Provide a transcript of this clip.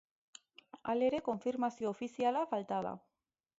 Halere, konfirmazio ofiziala falta da.